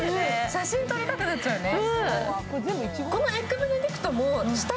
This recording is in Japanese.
写真撮りたくなっちゃうね。